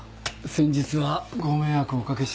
先日はご迷惑おかけしました。